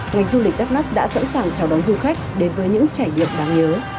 ngành du lịch đắk lắc đã sẵn sàng chào đón du khách đến với những trải nghiệm đáng nhớ